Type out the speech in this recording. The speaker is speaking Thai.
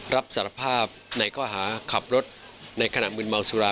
รับสารภาพในข้อหาขับรถในขณะมืนเมาสุรา